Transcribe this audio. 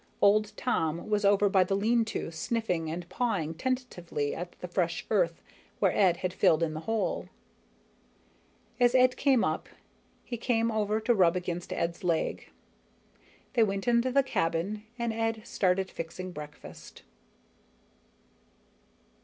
Old Tom was over by the lean to, sniffing and pawing tentatively at the fresh earth where Ed had filled in the hole. As Ed came up, he came over to rub against Ed's leg. They went into the cabin and Ed started fixing breakfast.